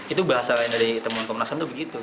itu bahasa lain dari temuan komnas ham itu begitu